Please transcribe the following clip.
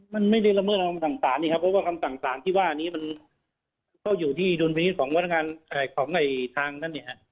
มันไม่ได้ระเมิดคำสั่งสารนะครับเพราะว่าคำสั่งสารที่ว่านี้มันเข้าอยู่ที่ดุลประณิตของธนาคารของไหนทางนั้นเนี่ย